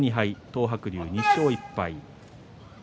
東白龍、２勝１敗。